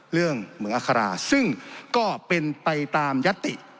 เรื่องเมืองอาคาราซึ่งก็เป็นไปตามยัตติ